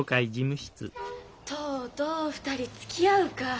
とうとう２人つきあうか。